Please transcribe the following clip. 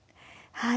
はい。